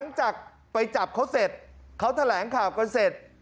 หลังจากไปจับเขาเสร็จเขาแถลงข่าวกันเสร็จ